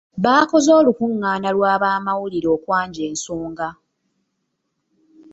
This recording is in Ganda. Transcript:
Baakoze olukungaana lw'abamawulire okwanja ensonga.